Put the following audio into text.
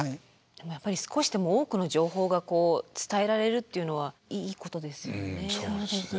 少しでも多くの情報が伝えられるっていうのはいいことですよね。